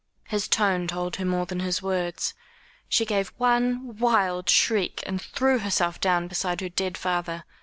His tone told her more than his words. She gave one wild shriek, and threw herself down beside her dead father.